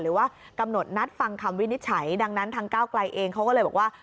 หรือว่ากำหนดนัดฟังคำวินิจฉัยดังนั้นทางก้าวไกลเองเขาก็เลยบอกว่า